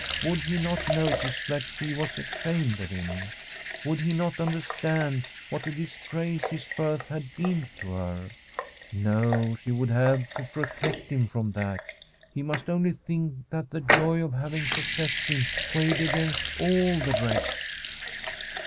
Would he not notice that she was ashamed of him ? Would he not under stand what a disgrace his birth had been to her ? No, she would have to protect him from that. He must only think that the joy of having possessed him weighed against all the rest.